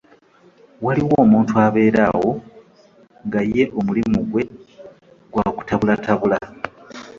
Waliwo omuntu abeera awo nga ye omulimu gwe gwa kutabulatabula.